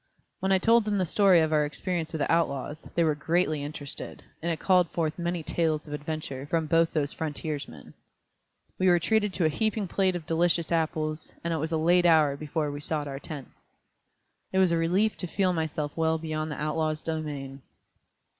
When I told them the story of our experience with the outlaws, they were greatly interested, and it called forth many tales of adventure from both those frontiersmen. We were treated to a heaping plate of delicious apples, and it was a late hour before we sought our tents. It was a relief to feel myself well beyond the outlaws' domain.